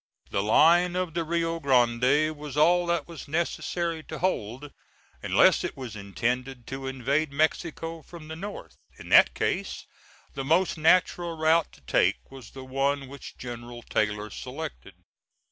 The line of the Rio Grande was all that was necessary to hold, unless it was intended to invade Mexico from the North. In that case the most natural route to take was the one which General Taylor selected.